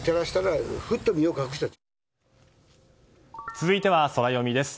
続いてはソラよみです。